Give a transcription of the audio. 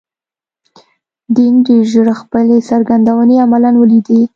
دینګ ډېر ژر خپلې څرګندونې عملاً ولیدې.